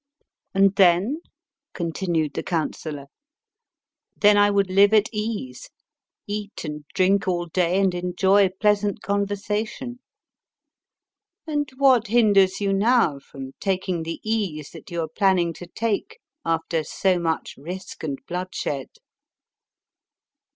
" And then ?" continued the counsellor. " Then I would live at ease, *eat and drink all day, and enjoy pleasant conversation." 156 VICTORY FOR GREECE. [B.C. 280. "And what hinders you now, from taking the ease, that you are planning to take, after so much risk and bloodshed